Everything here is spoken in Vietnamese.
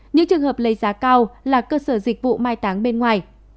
những trường hợp lấy giá cao là cơ sở dịch vụ mai táng bên ngoài